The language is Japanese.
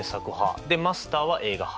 マスターは映画派。